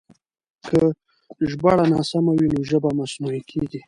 که ژباړه ناسمه وي نو ژبه مصنوعي کېږي.